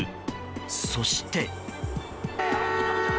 そして。